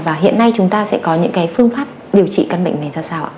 và hiện nay chúng ta sẽ có những cái phương pháp điều trị căn bệnh này ra sao ạ